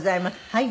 はい。